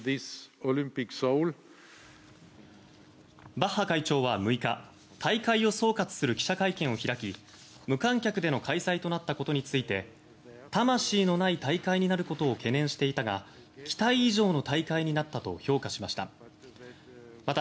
バッハ会長は６日大会を総括する記者会見を開き無観客での開催となったことについて魂のない大会になることを懸念していたが期待以上の大会になったと評価しました。